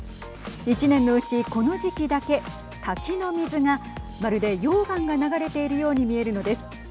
１年のうちこの時期だけ滝の水がまるで溶岩が流れているように見えるのです。